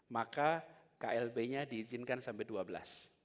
maka klb nya diizinkan sampai dua belas